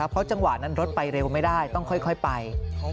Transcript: เพราะจังหวะนั้นรถไปเร็วไม่ได้ต้องค่อยไป